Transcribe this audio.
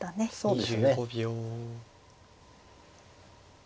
そうですね。